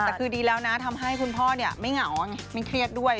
แต่คือดีแล้วนะทำให้คุณพ่อไม่เหงาไงไม่เครียดด้วย